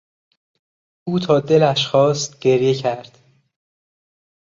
او تا دلش خواست گریه کرد.